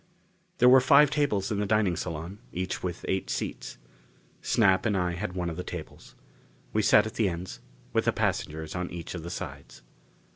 There were five tables in the dining salon, each with eight seats. Snap and I had one of the tables. We sat at the ends, with the passengers on each of the sides.